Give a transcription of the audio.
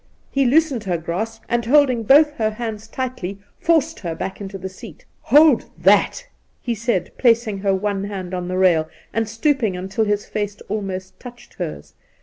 He loosened her grasp, and holding both her hands tightly, forced her back into the seat. ' Hold that I' he said, placing her one hand on the rail, and stooping until his face almost touched hers.